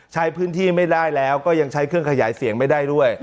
ใช้พื้นที่ไม่ได้แล้วก็ยังใช้เครื่องขยายเสียงไม่ได้ด้วย